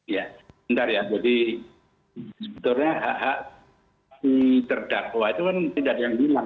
ya bentar ya jadi sebetulnya hak hak si terdakwa itu kan tidak ada yang bilang